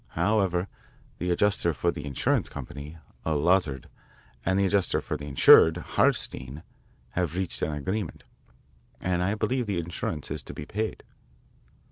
However, the adjuster for the insurance company, Lazard, and the adjuster for the insured, Hartstein, have reached an agreement, and I believe the insurance is to be paid."